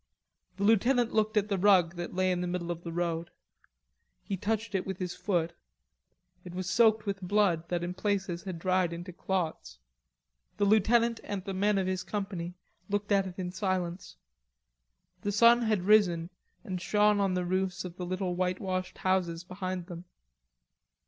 The lieutenant looked at the rug that lay in the middle of the road. He touched it with his foot. It was soaked with blood that in places had dried into clots. The lieutenant and the men of his company looked at it in silence. The sun had risen and shone on the roofs of the little whitewashed houses behind them.